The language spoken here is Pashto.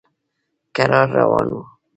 کرار روان و.